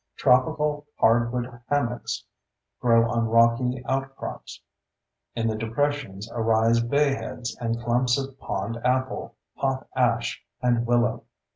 Tropical hardwood hammocks grow on rocky outcrops. In the depressions arise bayheads and clumps of pond apple, pop ash, and willow.